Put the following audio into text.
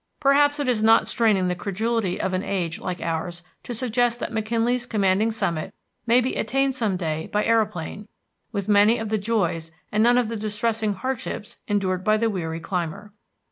Perhaps it is not straining the credulity of an age like ours to suggest that McKinley's commanding summit may be attained some day by aeroplane, with many of the joys and none of the distressing hardships endured by the weary climber.